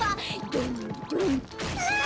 ドンドン！